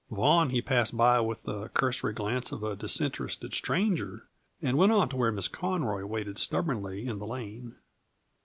Vaughan he passed by with the cursory glance of a disinterested stranger, and went on to where Miss Conroy waited stubbornly in the lane.